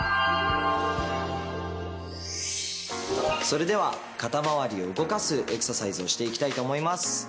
それでは肩まわりを動かすエクササイズをしていきたいと思います。